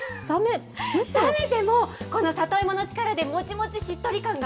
冷めてもこの里芋の力でもちもちしっとり感が。